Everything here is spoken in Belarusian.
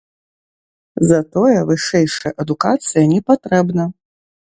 Затое вышэйшая адукацыя не патрэбна.